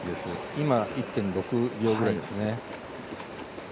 今１．６秒ぐらいですね。